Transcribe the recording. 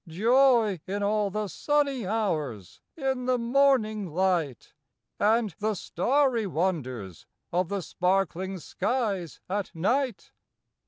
Joy in all the sunny hours in the morning light, And the starry wonders of the sparkling skies at night.